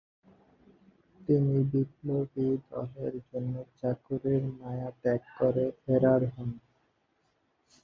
তিনি বিপ্লবী দলের জন্য চাকুরির মায়া ত্যাগ করে ফেরার হন।